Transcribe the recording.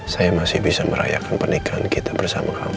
saya masih bisa merayakan pernikahan kita bersama kami